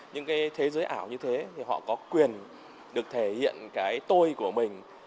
những cái thế giới ảo như thế thì họ có quyền được thể hiện cái tôi của mình